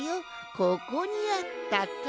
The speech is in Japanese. ここにあったか。